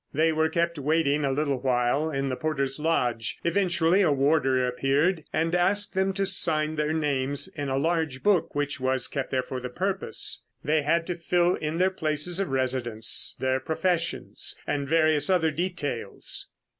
They were kept waiting a little while in the porter's lodge. Eventually a warder appeared and asked them to sign their names in a large book which was kept there for the purpose. They had to fill in their places of residence, their professions, and various other details.